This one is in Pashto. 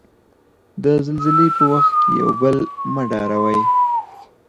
د زلزلې په وخت یو بل مه ډاروی.